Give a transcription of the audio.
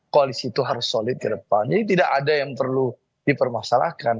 koalisi itu harus solid ke depan jadi tidak ada yang perlu dipermasalahkan